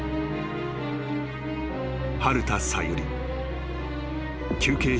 ［春田さゆり］